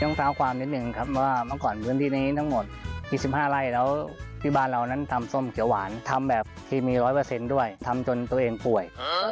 ยังเจ้าความนิดหนึ่งครับว่าเมื่อก่อนเวลาที่นี้ทั้งหมดสิบห้าไร่แล้วที่บ้านเรานั้นทำส้มเขียวหวานทำแบบที่มีร้อยเปอร์เซ็นต์ด้วยทำจนตัวเองป่วย